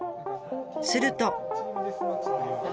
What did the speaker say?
すると。